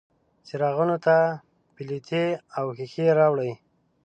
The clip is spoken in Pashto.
څراغونو ته پیلتې او ښیښې راوړي